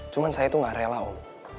cuma saya tuh gak rela om